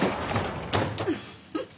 フフフ。